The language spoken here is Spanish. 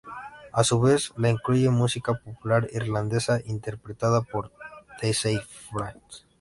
A su vez, la incluye música popular irlandesa interpretada por "The Chieftains".